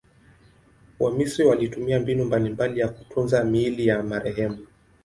Wamisri walitumia mbinu mbalimbali kwa kutunza miili ya marehemu.